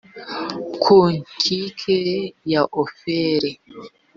ku nkike ya ofeli